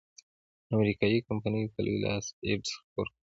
امریکایي کمپینو په لوی لاس ایډز خپور کړیدی.